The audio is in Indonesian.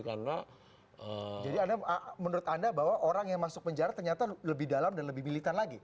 jadi menurut anda bahwa orang yang masuk penjara ternyata lebih dalam dan lebih militan lagi